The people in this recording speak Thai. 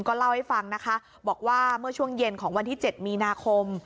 ก็เล่าให้ฟังนะคะบอกว่าเมื่อช่วงเย็นของวันที่๗มีนาคม